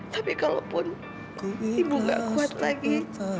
tapi kalaupun ibu gak kuat lagi